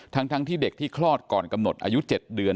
ทั้งที่เด็กที่คลอดก่อนกำหนดอายุ๗เดือน